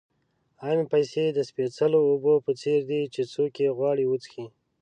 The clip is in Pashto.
عامې پیسې د سپېڅلو اوبو په څېر دي چې څوک یې غواړي وڅښي.